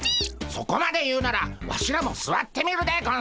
そこまで言うならワシらもすわってみるでゴンス。